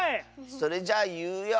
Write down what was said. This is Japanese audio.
それじゃいうよ！